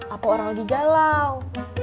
atau orang lagi galau